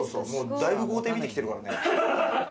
だいぶ豪邸見てきてるからね。